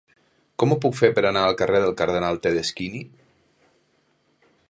Com ho puc fer per anar al carrer del Cardenal Tedeschini?